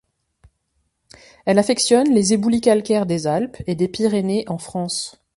Elle affectionne les éboulis calcaires des Alpes et des Pyrénées en France.